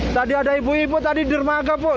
tadi ada ibu ibu tadi dermaga puh